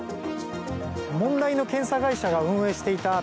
問題の検査会社が運営していた